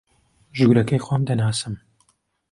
ژوورەکەی خۆم دەناسم